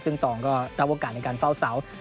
ซึ่งตองก็รับโอกาสในการเฝ้าเสา